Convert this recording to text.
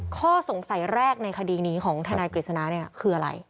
ข้อสงสัยแรกในคดีนี้ของทนายกฤษณะเนี่ยคืออะไร